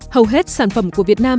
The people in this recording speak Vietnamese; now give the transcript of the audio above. hầu hết sản phẩm của việt nam